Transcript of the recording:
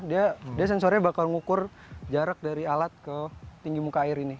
dia sensornya bakal ngukur jarak dari alat ke tinggi muka air ini